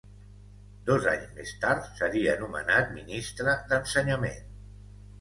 Dos anys més tard seria nomenat Ministre d'Ensenyament.